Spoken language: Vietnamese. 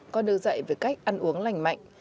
có được dạy về cách ăn uống lành mạnh